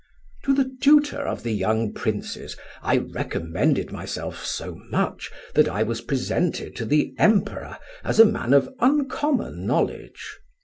"To the tutor of the young princes I recommended myself so much that I was presented to the Emperor as a man of uncommon knowledge.